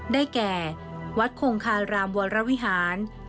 ได้แก่วัดคงคารามวรวิหาร